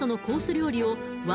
料理を１